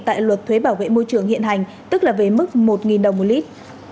tại luật thuế bảo vệ môi trường hiện hành tức là về mức một đồng một lít